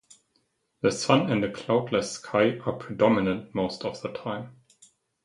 The sun and a cloudless sky are predominant most of the time.